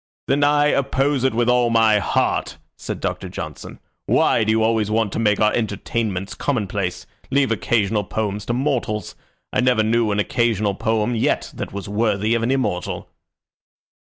"Then I oppose it with all my heart," said Doctor Johnson. "Why do you always want to make our entertainments commonplace? Leave occasional poems to mortals. I never knew an occasional poem yet that was worthy of an immortal."